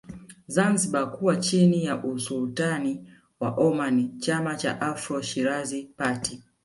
Zanzibar kuwa chini ya Usultani wa Omani Chama cha Afro Shirazi Party